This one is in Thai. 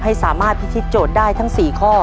ให้สามารถพิธีโจทย์ได้ทั้ง๔ข้อ